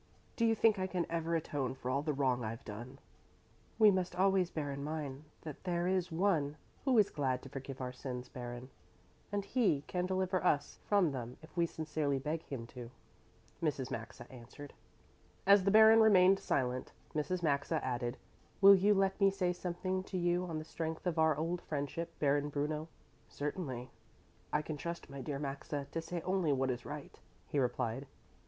Do you think I can ever atone for all the wrong I've done?" "We must always bear in mind that there is One who is glad to forgive us our sins, Baron, and He can deliver us from them if we sincerely beg Him to," Mrs. Maxa answered. As the Baron remained silent, Mrs. Maxa added, "Will you let me say something to you on the strength of our old friendship, Baron Bruno?" "Certainly. I can trust my dear Maxa to say only what is right," he replied.